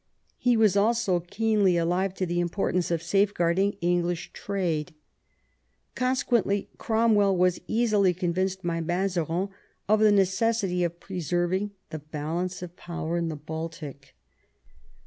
He was also keenly alive to the importance of safeguarding English trade. Conse quently Cromwell was easily convinced by Mazarin of the necessity of preserving the balance of power in the Baltic.